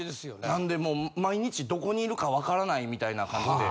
なんでもう毎日どこにいるか分からないみたいな感じで。